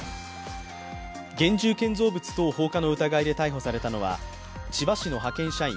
現住建造物等放火の疑いで逮捕されたのは千葉市の派遣社員